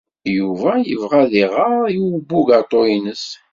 Yuba yebɣa ad iɣer i ubugaṭu-nnes.